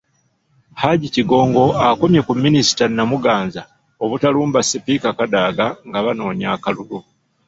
Hajji Kigongo akomye ku Minisita Namuganza obutalumba Sipiika Kadaga nga banoonya akalulu.